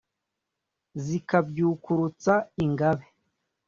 Zikabyukurutsa Ingabe,